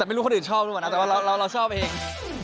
ไม่รู้คนอื่นชอบหรือเปล่านะแต่ว่าเราชอบเอง